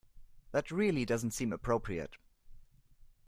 That really doesn't seem appropriate.